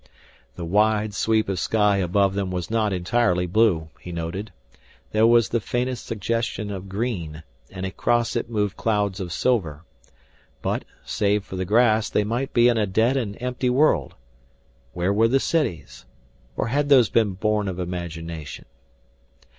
The wide sweep of sky above them was not entirely blue, he noted. There was the faintest suggestion of green, and across it moved clouds of silver. But, save for the grass, they might be in a dead and empty world. Where were the cities? Or had those been born of imagination?